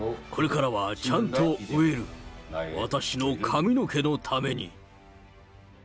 これからはちゃんと植える、私の髪の毛のために。